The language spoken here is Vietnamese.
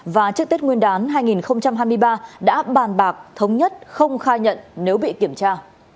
và trước tết nguyên đán hai nghìn hai mươi ba đã bàn bạc thống nhất không khai nhận nếu bị kiểm tra